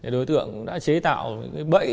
đối tượng đã chế tạo bẫy